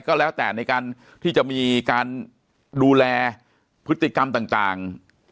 ก็แล้วแต่ในการที่จะมีการดูแลพฤติกรรมต่าง